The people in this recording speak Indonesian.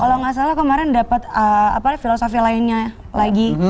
kalau nggak salah kemarin dapat filosofi lainnya lagi